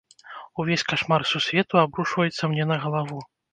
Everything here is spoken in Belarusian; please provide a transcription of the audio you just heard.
Увесь кашмар сусвету абрушваецца мне на галаву.